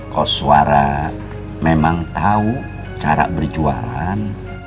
koswara memang tahu cara berjualan